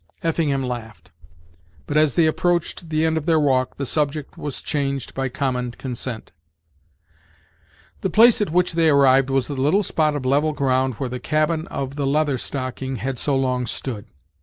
Effingham laughed; but, as they approached the end of their walk, the subject was changed by common consent. The place at which they arrived was the little spot of level ground where the cabin of the Leather Stocking had so long stood.